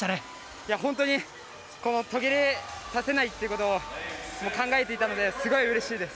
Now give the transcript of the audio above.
いや、本当に途切れさせないってことを考えていたので、すごいうれしいです。